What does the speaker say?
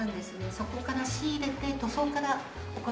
そこから仕入れて塗装から行っています。